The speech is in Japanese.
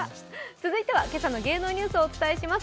続いては今朝の芸能ニュースまとめてお届けします。